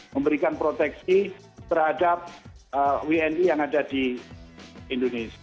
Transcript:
memberikan proteksi terhadap wni yang ada di indonesia